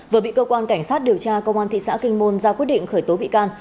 vừa bị cơ quan cảnh sát điều tra công an thị xã kinh môn ra quyết định khởi tố bị can